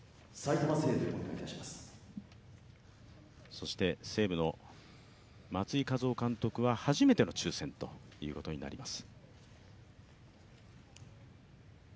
そして西武の松井稼頭央監督は初めての抽選ということになります。